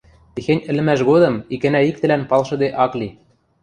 Техень ӹлӹмӓш годым икӓнӓ-иктӹлӓн палшыде ак ли...